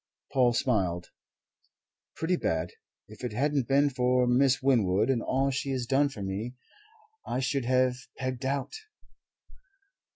Paul smiled. "Pretty bad. If it hadn't been for Miss Winwood and all she has done for me, I should have pegged out."